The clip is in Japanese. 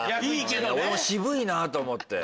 俺も渋いなと思って。